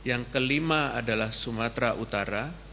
yang kelima adalah sumatera utara